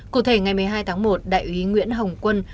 cụ thể ngày một mươi hai tháng một đại úy nguyễn hồng quân